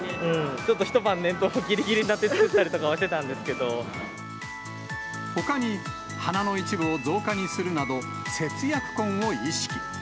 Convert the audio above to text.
ちょっと一晩ねんと、ぎりぎりになって作ったりとかはしてたほかに、花の一部を造花にするなど、節約婚を意識。